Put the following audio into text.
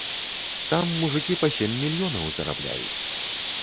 Там мужыкі па сем мільёнаў зарабляюць.